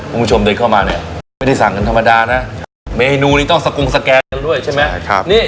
คุณผู้ชมเดินเข้ามาไม่ได้สั่งกันธรรมดาน่ะเมนูนี้ต้องสกงสแกนมาด้วยใช่ไหมใช่ครับ